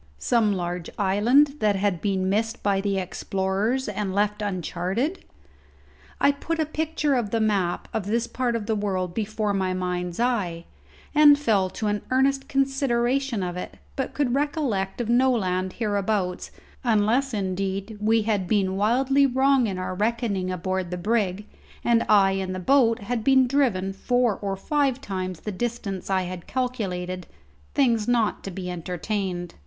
Some large island that had been missed by the explorers and left uncharted? I put a picture of the map of this part of the world before my mind's eye, and fell to an earnest consideration of it, but could recollect of no land hereabouts, unless indeed we had been wildly wrong in our reckoning aboard the brig, and I in the boat had been driven four or five times the distance I had calculated things not to be entertained.